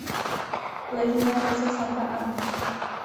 Leží na řece Santa Ana.